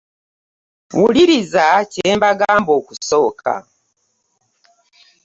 Wuliriza kye bagamba okusooka.